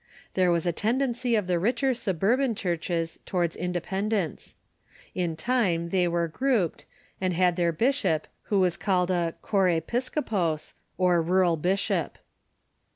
There was a tendency of the richer suburban churches towards independence. In time they were grouped, and had their bishop, who was called a chorephcopos, or rural bishop.